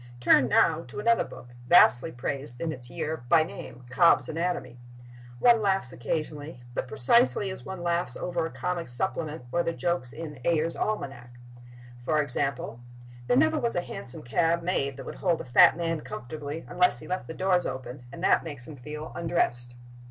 Turn, now, to another book, vastly praised in its year—by name, "Cobb's Anatomy." One laughs occasionally—but precisely as one laughs over a comic supplement or the jokes in Ayer's Almanac. For example: There never was a hansom cab made that would hold a fat man comfortably unless he left the doors open, and that makes him feel undressed.